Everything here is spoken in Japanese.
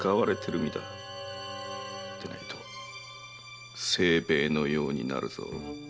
でないと清兵衛のようになるぞ。